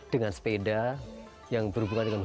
dengan sepeda yang berhubungan dengan